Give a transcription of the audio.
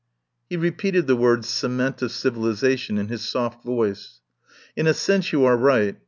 He repeated the words "cement of civilisa tion" in his soft voice. "In a sense you are right.